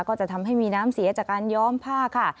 ก็จะทำให้มีน้ำเสียจากการย้อมผ้าค่ะ